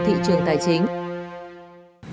thị trường tài chính